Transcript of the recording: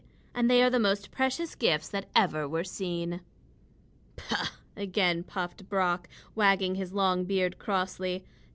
And they are the most precious gifts that ever were seen." "Pooh!" again puffed Brock, wagging his long beard crossly.